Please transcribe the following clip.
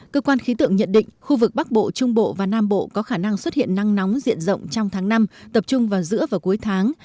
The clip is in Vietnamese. cơ quan khí tượng nhận định khu vực bắc bộ trung bộ và nam bộ có khả năng xuất hiện nắng nóng diện rộng trong tháng năm tập trung vào giữa và cuối tháng